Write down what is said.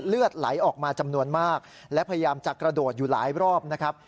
เลือดไหลออกมาจำนวนมากและพยายามจะกระโดดอยู่หลายรอบนะครับ